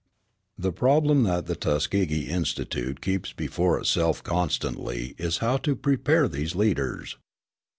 The problem that the Tuskegee Institute keeps before itself constantly is how to prepare these leaders.